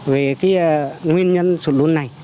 về nguyên nhân sụt lụn này